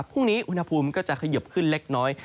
พรุ่งนี้อุณหภูมิก็จะเขยิบขึ้นเล็กน้อย